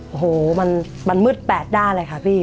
โอ้โหมันมืดแปดด้านเลยค่ะพี่